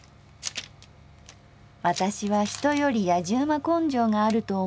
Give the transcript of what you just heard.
「私は人より野次馬根性があると思うんですよ。